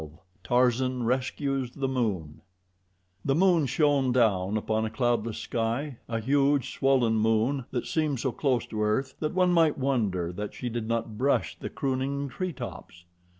12 Tarzan Rescues the Moon THE MOON SHONE down out of a cloudless sky a huge, swollen moon that seemed so close to earth that one might wonder that she did not brush the crooning tree tops.